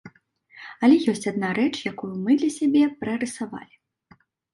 Але ёсць адна рэч, якую мы для сябе прарысавалі.